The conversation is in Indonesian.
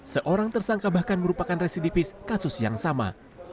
seorang tersangka bahkan merupakan residivis kasus yang sama